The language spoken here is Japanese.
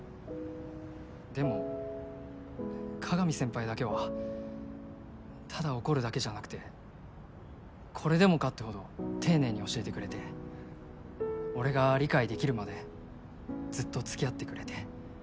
でも鏡先輩だけはただ怒るだけじゃなくてこれでもかってほど丁寧に教えてくれて俺が理解できるまでずっとつきあってくれて。